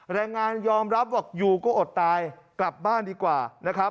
แรงงานยอมรับบอกอยู่ก็อดตายกลับบ้านดีกว่านะครับ